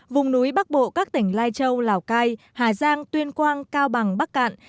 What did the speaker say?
vùng núi bắc bộ các tỉnh lai châu lào cai hà giang tuyên quang cao bằng bắc cạn